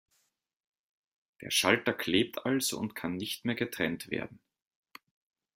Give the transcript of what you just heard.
Der Schalter „klebt“ also und kann nicht mehr getrennt werden.